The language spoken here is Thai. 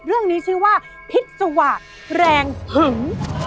เรื่องนี้ชื่อว่าพิษวาสแรงหึง